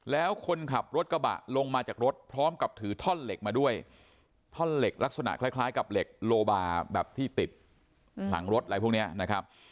แล้วคนขับรถกระบะลงมาจากรถพร้อมกับถือท่อนเหล็กมาด้วยท่อนเหล็กลักษณะคล้ายกับเหล็กโลบาแบบที่ติดหลังรถอะไรพวกนี้นะครับ